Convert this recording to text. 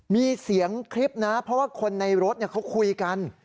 มีเสียงคลิปนะเพราะว่าคนในรถเขาคุยกัน